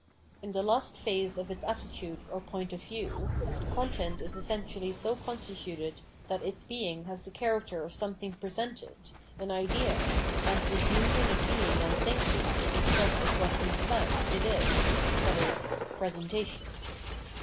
In the last phase of its attitude or point of view, the content is essentially so constituted that its being has the character of something presented, an idea, and this union of being and thinking is expressed as what in fact it is, viz. — Presentation.